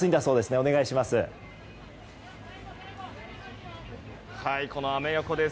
お願いします。